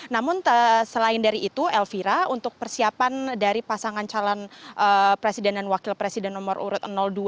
namun selain dari itu elvira untuk persiapan dari pasangan calon presiden dan wakil presiden nomor urut dua